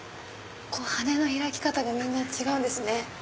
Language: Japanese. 羽の開き方がみんな違うんですね